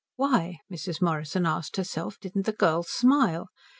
Why, Mrs. Morrison asked herself, didn't the girl smile?